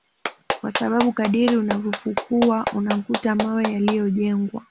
kwa sababu kadiri unavyofukua unakuta mawe yaliyojengwa